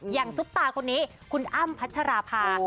ซุปตาคนนี้คุณอ้ำพัชราภา